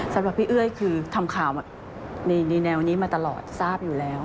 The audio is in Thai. สำหรับพี่เอ้ยคือทำข่าวในแนวนี้มาตลอดทราบอยู่แล้ว